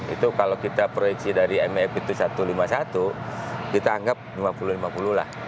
itu kalau kita proyeksi dari mef itu satu ratus lima puluh satu kita anggap lima puluh lima puluh lah